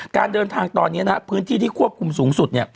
การเดินทางตอนนี้พื้นที่ที่ควบคุมสูงสุด